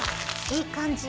いい感じ。